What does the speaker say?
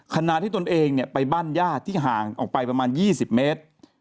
ขณะที่ตนเองไปบ้านญาติที่ห่างออกไปประมาณ๒๐เมตร